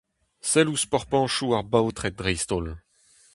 Sell ouzh porpantoù ar baotred dreist-holl !